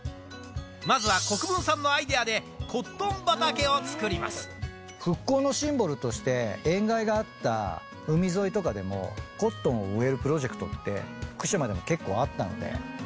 まずは国分さんのアイデアで、復興のシンボルとして、塩害があった海沿いとかでも、コットンを植えるプロジェクトって、福島でも結構あったんで。